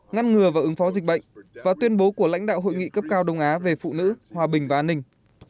ngăn ngừa và ứng phó dịch bệnh và tuyên bố của lãnh đạo hội nghị cấp cao đông á về phụ nữ hòa bình và an ninh